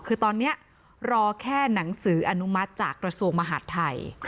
คือตอนนี้รอแค่หนังสืออนุมัติจากกระทรวงมหาดไทย